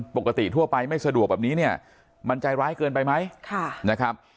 ปกติทั่วไปไม่สะดวกแบบนี้เนี่ยมันใจร้ายเกินไปไหมนะครับ